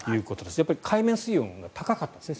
海面水温が高かったんですね